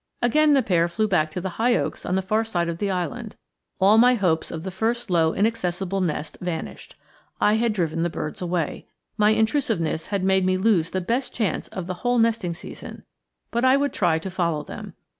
Again the pair flew back to the high oaks on the far side of the island. All my hopes of the first low inaccessible nest vanished. I had driven the birds away. My intrusiveness had made me lose the best chance of the whole nesting season. But I would try to follow them.